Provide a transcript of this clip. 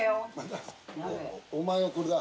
お前はこれだ。